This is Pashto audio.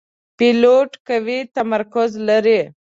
پیلوټ قوي تمرکز لري.